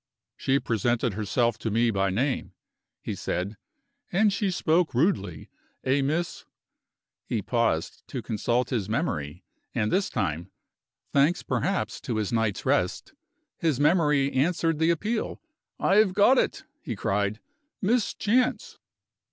"She presented herself to me by name," he said; "and she spoke rudely. A Miss " He paused to consult his memory, and this time (thanks perhaps to his night's rest) his memory answered the appeal. "I have got it!" he cried "Miss Chance."